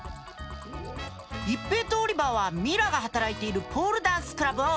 一平とオリバーはミラが働いているポールダンスクラブを訪れる。